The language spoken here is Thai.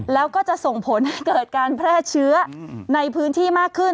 แล้วก็จะส่งผลให้เกิดการแพร่เชื้อในพื้นที่มากขึ้น